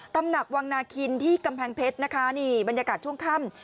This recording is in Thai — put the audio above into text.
ตำหนักวังนาคินที่กำแพงเพชรนะคะนี่บรรยากาศช่วงค่ำ